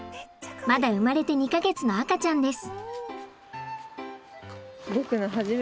まだ生まれて２か月の赤ちゃんです。